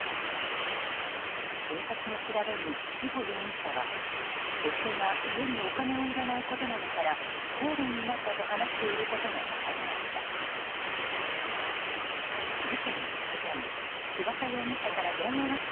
警察の調べに志保容疑者は夫が家にお金を入れないことなどから口論になったと話していることが分かりました。